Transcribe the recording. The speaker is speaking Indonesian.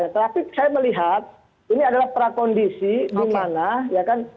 tapi saya melihat ini adalah prakondisi di mana ya kan